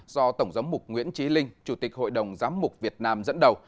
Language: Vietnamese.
do tổng giám mục nguyễn trí linh chủ tịch hội đồng giám mục việt nam dẫn đầu